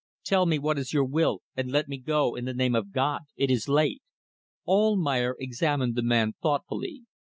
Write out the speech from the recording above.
Tell me what is your will, and let me go in the name of God. It is late." Almayer examined the man thoughtfully.